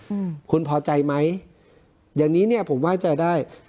อืมคุณพอใจไหมอย่างนี้เนี้ยผมว่าจะได้